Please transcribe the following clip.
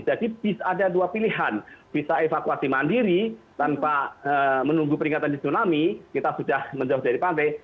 jadi ada dua pilihan bisa evakuasi mandiri tanpa menunggu peringatan tsunami kita sudah menjauh dari pantai